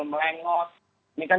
melengot ini kan